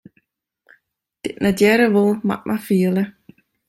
Dy't net hearre wol, moat mar fiele.